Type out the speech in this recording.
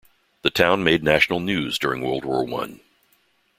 The town made national news during World War One.